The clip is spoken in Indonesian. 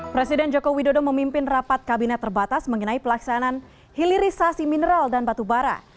presiden joko widodo memimpin rapat kabinet terbatas mengenai pelaksanaan hilirisasi mineral dan batu bara